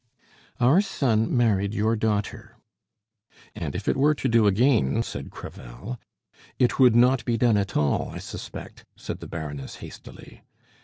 "Our son married your daughter " "And if it were to do again " said Crevel. "It would not be done at all, I suspect," said the baroness hastily.